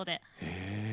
え！